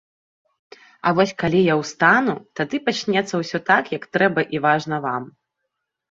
А вось калі я ўстану, тады пачнецца ўсё так, як трэба і важна вам.